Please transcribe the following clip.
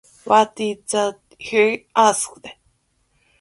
What is that, he asked?